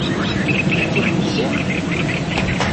Ad tt-id-temmektim?